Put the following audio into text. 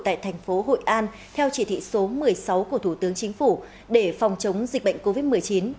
tại thành phố hội an theo chỉ thị số một mươi sáu của thủ tướng chính phủ để phòng chống dịch bệnh covid một mươi chín